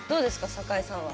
坂井さんは。